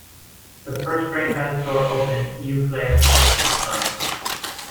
The first franchise store opened in Eau Claire, Wisconsin.